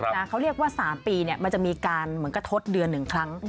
เขาเรียกว่า๓ปีเนี่ยมันจะมีการเหมือนกระทบเดือน๑ครั้ง